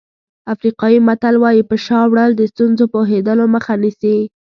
افریقایي متل وایي په شا وړل د ستونزو پوهېدلو مخه نیسي.